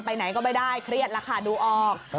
ไปไหนก็ไม่ได้เครียดแล้วค่ะดูออก